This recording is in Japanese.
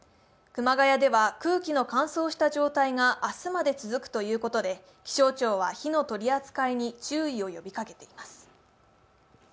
熊谷では空気の乾燥した状態が明日まで続くということで気象庁は火の取り扱いに注意を呼びかけています。